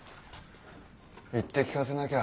言って聞かせなきゃ。